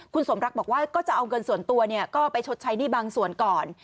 คุณสมรักบอกว่าก็จะเอาเงินส่วนตัวก็ไปชดใช้หนี้บางส่วนก่อน